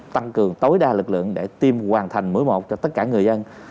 tăng cường tối đa lực lượng để tiêm hoàn thành mũi một cho tất cả người dân